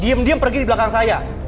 diem diem pergi dibelakang saya